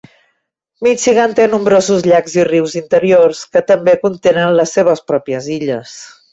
Michigan té nombrosos llacs i rius interiors que també contenen les seves pròpies illes.